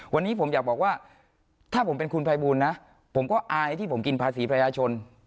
วันนี้ผมอยากบอกว่าถ้าผมเป็นคุณภัยบูลนะผมก็อายที่ผมกินภาษีประชาชน